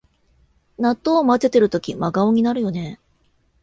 納豆をまぜてるとき真顔になるよね